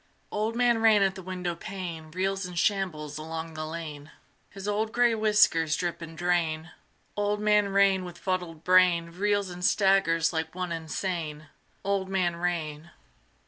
Old Man Rain at the windowpane Reels and shambles along the lane: His old gray whiskers drip and drain: Old Man Rain with fuddled brain Reels and staggers like one insane. Old Man Rain.